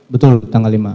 betul tanggal lima